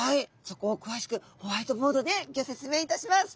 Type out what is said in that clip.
そこをくわしくホワイトボードでギョ説明いたします。